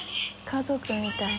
家族みたい。